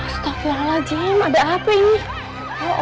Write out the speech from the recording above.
jadi gua jangan bawa bola dong